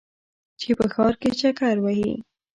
چې په ښار کې چکر وهې.